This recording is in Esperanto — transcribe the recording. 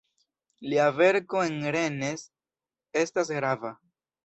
Lia verko en Rennes estas grava.